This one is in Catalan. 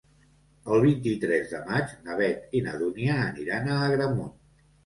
El vint-i-tres de maig na Beth i na Dúnia aniran a Agramunt.